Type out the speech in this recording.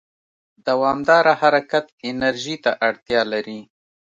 دوامداره حرکت انرژي ته اړتیا لري.